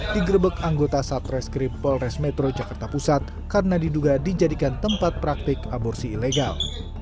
digrebek anggota satreskrim polres metro jakarta pusat karena diduga dijadikan tempat praktik aborsi ilegal